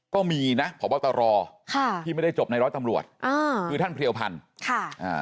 ก็มีนะพบตรที่ไม่ได้จบในร้อยตำรวจคือท่านเพลียวพันธุ์